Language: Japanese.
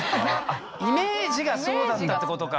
イメージがそうだったってことか。